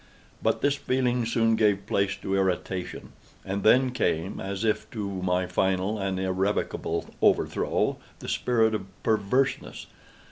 But this feeling soon gave place to irritation. And then came, as if to my final and irrevocable overthrow, the spirit of PERVERSENESS.